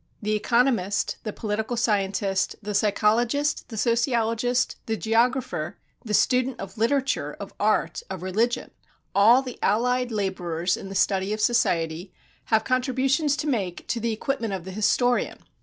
The economist, the political scientist, the psychologist, the sociologist, the geographer, the student of literature, of art, of religion all the allied laborers in the study of society have contributions to make to the equipment of the historian.